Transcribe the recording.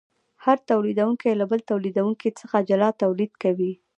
هر تولیدونکی له بل تولیدونکي څخه جلا تولید کوي